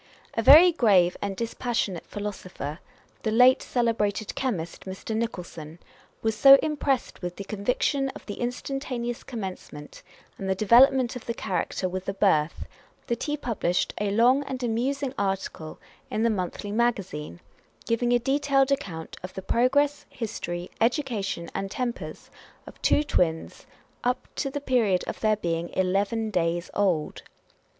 A very grave and dispassionate philosopher (the late celebrated chemist, Mr. Nicholson) was so impressed with, the conviction of the instantaneous commencement and development of the character with the birth, that he published a long and amusing article in the Monthly Magazine, giving a detailed account of the progress, history, education, and tempers of two twins, up to the period of their being eleven days old.